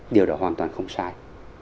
điều đó hoàn toàn không sai